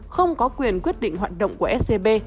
không có quyền quyết định hoạt động của scb